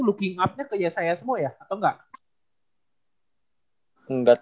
looking up nya ke yesaya semua ya atau enggak